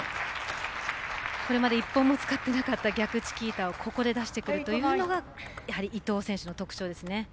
これまで１本も使っていなかった逆チキータをここで出してくるというのがやはり、伊藤選手の特徴ですね。